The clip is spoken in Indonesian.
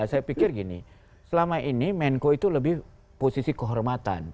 saya pikir gini selama ini menko itu lebih posisi kehormatan